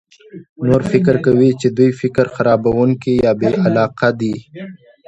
نور فکر کوي چې دوی فکر خرابونکي یا بې علاقه دي.